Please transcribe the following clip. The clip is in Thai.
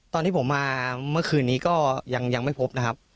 ตอนที่ผมมาเมื่อคืนนี้ก็ยังไม่พบนะครับ